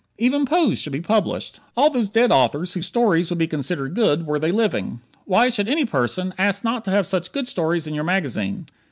Even Poe's should be published. All those dead authors whose stories would be considered good were they living. Why should any person ask not to have such good stories in your magazine?